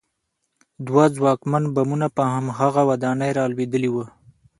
دوه ځواکمن بمونه په هماغه ودانۍ رالوېدلي وو